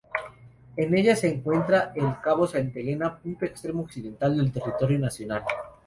En ella se encuentra el cabo Santa Elena, punto extremo occidental del territorio nacional.